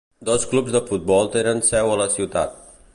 Dos clubs de futbol tenen seu a la ciutat.